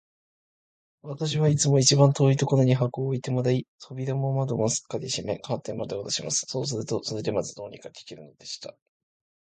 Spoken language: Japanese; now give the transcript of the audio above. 私はいつも一番遠いところに箱を置いてもらい、扉も窓もすっかり閉め、カーテンまでおろします。そうすると、それでまず、どうにか聞けるのでした。